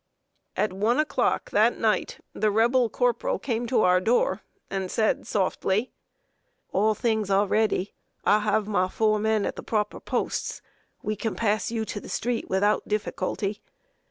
At one o'clock that night, the Rebel corporal came to our door and said, softly: "All things are ready; I have my four men at the proper posts; we can pass you to the street without difficulty.